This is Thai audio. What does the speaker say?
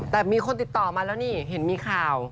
แต่มีคนติดต่อมาแล้วนี่เห็นมีข่าว